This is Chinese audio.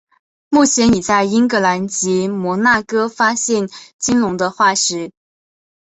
目前已在英格兰及摩纳哥发现鲸龙的化石。